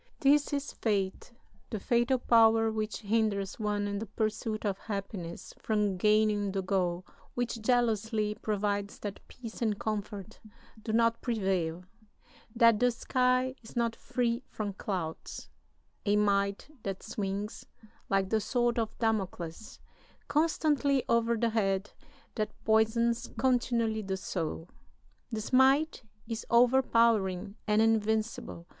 ] This is Fate, the fatal power which hinders one in the pursuit of happiness from gaining the goal, which jealously provides that peace and comfort do not prevail, that the sky is not free from clouds a might that swings, like the sword of Damocles, constantly over the head, that poisons continually the soul. This might is overpowering and invincible.